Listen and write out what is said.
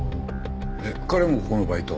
えっ彼もここのバイト？